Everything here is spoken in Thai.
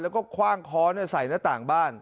แล้วก็คว่างค้อนใส่หน้าต่างบ้าน